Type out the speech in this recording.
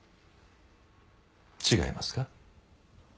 違いますか？